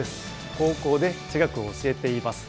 高校で地学を教えています。